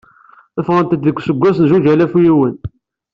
Ffeɣent-d deg useggas n zuǧ alaf u yiwen.